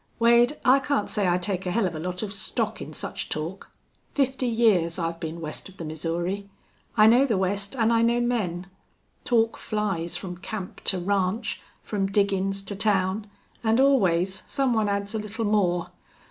"Wade, I can't say I take a hell of a lot of stock in such talk. Fifty years I've been west of the Missouri. I know the West an' I know men. Talk flies from camp to ranch, from diggin's to town, an' always some one adds a little more.